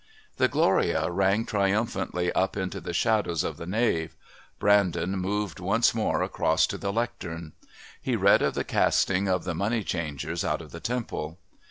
The "Gloria" rang triumphantly up into the shadows of the nave. Brandon moved once more across to the Lectern. He read of the casting of the money changers out of the Temple.